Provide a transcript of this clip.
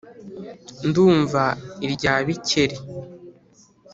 ndumva arya ibikeri.